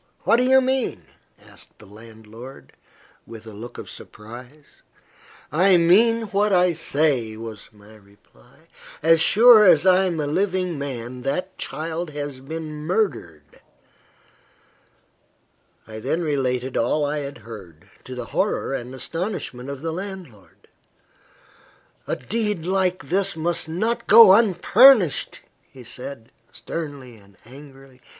What do you mean?" asked the landlord, with a look of surprise. "I mean what I say," was my reply. "As sure as I am a living man, that child has been murdered." I then related all I had heard, to the horror and astonishment of the landlord. "A deed like this must not go unpunished," he said, sternly and angrily.